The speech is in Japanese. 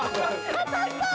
◆当たった！